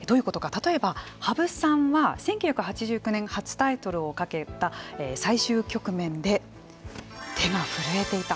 例えば羽生さんは１９８９年初タイトルをかけた最終局面で手が震えていた。